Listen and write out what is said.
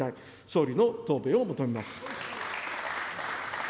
総理の答弁を求めます。